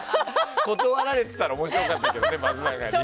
断られてたら面白かったけどね。